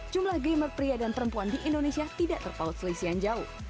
jumlah gamer pria dan perempuan di indonesia tidak terpaut selisih yang jauh